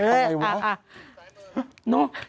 เออเอาไงวะ